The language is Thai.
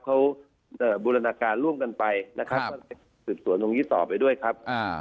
เขาบูรณาการร่วมกันไปนะครับก็สืบสวนตรงนี้ต่อไปด้วยครับ